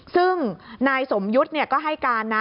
ซึ่งนายสมยุทธ์ก็ให้การนะ